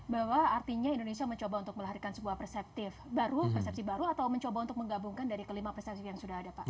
bahwa artinya indonesia mencoba untuk melahirkan sebuah persepsi baru persepsi baru atau mencoba untuk menggabungkan dari kelima persepsi yang sudah ada pak